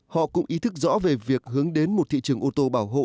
họ cũng ý thức rõ về việc hướng đến một thị trường ô tô bảo hộ